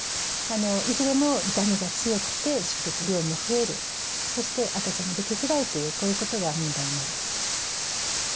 いずれも痛みが強くて出血量も増えるそして赤ちゃんができづらいというこういうことが問題になるわけです